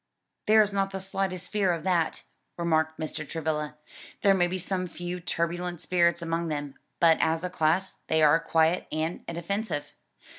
"There is not the slightest fear of that," remarked Mr. Travilla, "there may be some few turbulent spirits among them, but as a class they are quiet and inoffensive."